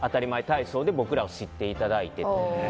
体操で僕らを知っていただいて。